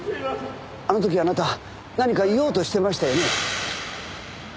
あの時あなた何か言おうとしてましたよね？